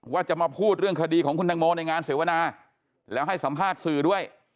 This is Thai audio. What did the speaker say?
ว่าจะมาพูดเรื่องคดีของคุณตังโมในงานเสวนาแล้วให้สัมภาษณ์สื่อด้วย